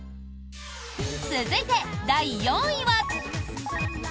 続いて、第４位は。